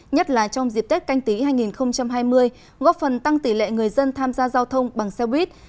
nhất là trong dịp tết canh tí hai nghìn hai mươi góp phần tăng tỷ lệ người dân tham gia giao thông bằng xe buýt